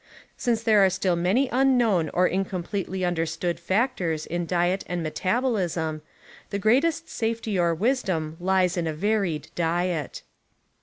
Since there are still many unknown or incompletely understood factors in diet and metal)ol ism, the greatest safety or wisdom lies in a varied diet.